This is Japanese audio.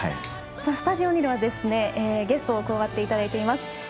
スタジオには、ゲストに加わっていただいています。